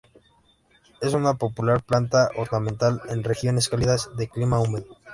Es una popular planta ornamental en regiones cálidas de clima húmedo.